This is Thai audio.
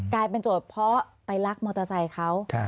กลายเป็นโจทย์เพราะไปลักมอเตอร์ไซค์เขา